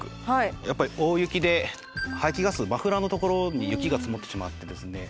やっぱり大雪で排気ガスマフラーのところに雪が積もってしまってですね